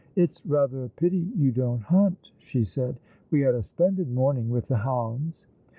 " It's rather a pity you don't hunt," she said. " We had a splendid morning with the hounds."